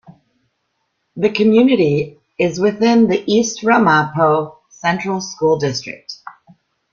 The community is within the East Ramapo Central School District.